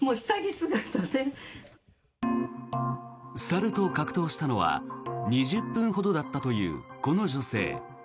猿と格闘したのは２０分ほどだったというこの女性。